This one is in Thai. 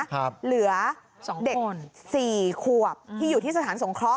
เหลือ๒เด็ก๔ขวบที่อยู่ที่สถานสงเคราะ